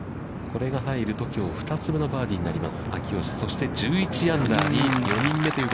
これが入るときょう２つ目のバーディーになります。